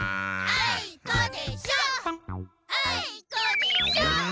あいこでしょ！